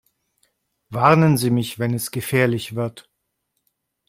Warnen Sie mich, wenn es gefährlich wird!